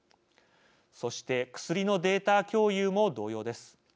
そして薬のデータ共有も同様です。